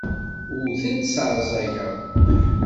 Ur tent-sseɛẓageɣ.